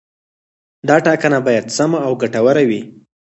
دا ټاکنه باید سمه او ګټوره وي.